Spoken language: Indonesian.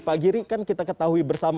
pak giri kan kita ketahui bersama